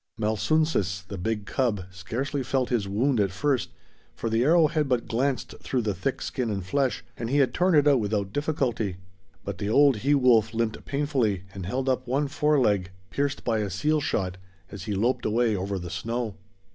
Malsunsis, the big cub, scarcely felt his wound at first, for the arrow had but glanced through the thick skin and flesh, and he had torn it out without difficulty; but the old he wolf limped painfully and held up one fore leg, pierced by a seal shot, as he loped away over the snow.